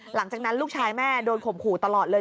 หลังจากนั้นลูกชายแม่โดนข่มขู่ตลอดเลย